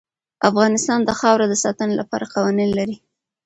افغانستان د خاوره د ساتنې لپاره قوانین لري.